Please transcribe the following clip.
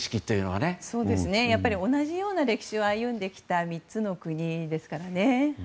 やっぱり同じような歴史を歩んできた３つの国ですからね。